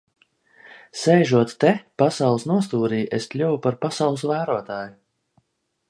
Sēžot te pasaules nostūrī, es kļuvu par pasaules vērotāju.